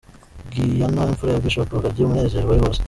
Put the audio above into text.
Gianna, imfura ya Bishop Rugagi umunezero wari wose.